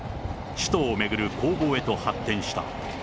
首都を巡る攻防へと発展した。